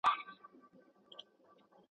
که انا ته لږ فرصت ورکړل شي، هغه به ارامه شي.